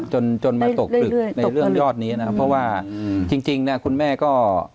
จนจนมาตกตึกในเรื่องยอดนี้นะครับเพราะว่าจริงเนี่ยคุณแม่ก็